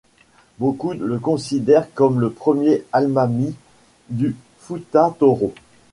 Beaucoup le considèrent comme le premier Almamy du Fouta-Toro.